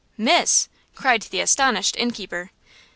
"Miss!" cried the astonished inn keeper.